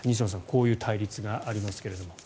こういう対立がありますが。